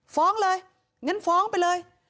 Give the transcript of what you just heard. ฟ้องเลยงั้นฟ้องไปเลย